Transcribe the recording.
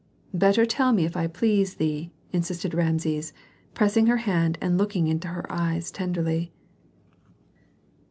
"Better tell me if I please thee," insisted Rameses, pressing her hand and looking into her eyes tenderly.